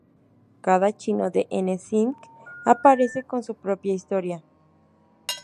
Cada chico de 'N Sync aparece con su propia historia.